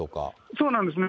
そうなんですね。